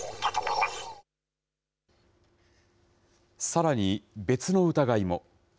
さらに、別の疑いも。